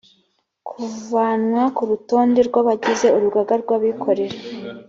kuvanwa ku rutonde rw abagize urugaga rw’abikorera